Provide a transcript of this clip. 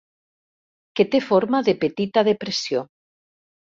Que té forma de petita depressió.